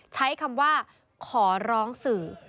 ใช้คำว่าขอร้องสื่อ